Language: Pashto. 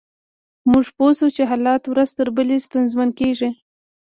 موږ پوه شوو چې حالات ورځ تر بلې ستونزمن کیږي